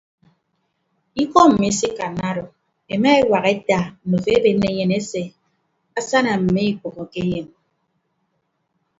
Ikọ mmi isikanna odo ema eñwak eta ndufo ebenne enyen ese asana mme ikpәhoke enyen.